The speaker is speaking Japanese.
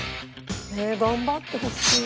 頑張ってほしい。